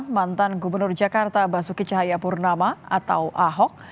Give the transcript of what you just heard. mantan gubernur jakarta basuki cahayapurnama atau ahok